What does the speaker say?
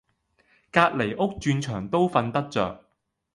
隔離屋鑽牆都瞓得著